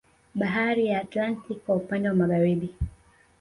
Bahari ya Atlantiki kwa upande wa Magharibi